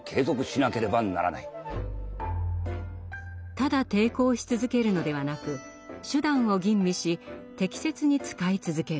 ただ抵抗し続けるのではなく手段を吟味し適切に使い続ける。